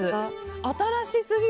新しすぎる。